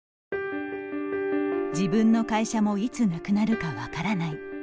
自分の会社もいつなくなるか分からない。